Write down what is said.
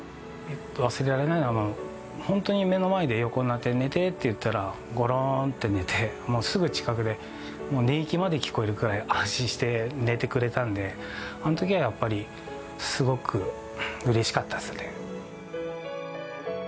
忘れられないのは本当に目の前で「横になって寝て」と言ったらゴロンと寝てもうすぐ近くでもう寝息まで聞こえるくらい安心して寝てくれたんであのときはやっぱりすごくうれしかったですね。